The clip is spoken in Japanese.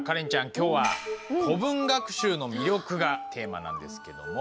今日は「古文学習の魅力」がテーマなんですけども。